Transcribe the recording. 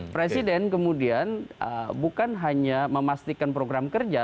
presiden kemudian bukan hanya memastikan program kerja